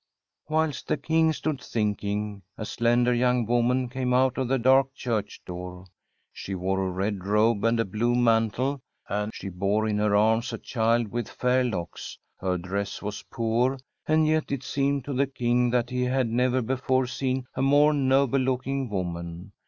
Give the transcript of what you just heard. Whilst the King stood thinking, a slender young woman came out of the dark church door. She wore a red robe and a blue mantle, and she bore in her arms a child with fair locks. Her dress was poor, and yet it seemed to the King that he had never before seen a more noble look ing woman.